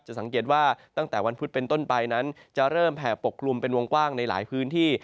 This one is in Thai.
สังเกตว่าตั้งแต่วันพุธเป็นต้นไปนั้นจะเริ่มแผ่ปกกลุ่มเป็นวงกว้างในหลายพื้นที่